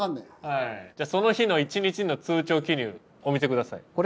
じゃあその日の一日の通帳記入お見せください。